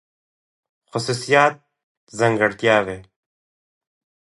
خصوصيات √ ځانګړتياوې